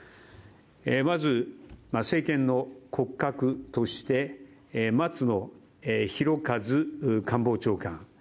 まず、政権の骨格として松野博一官房長官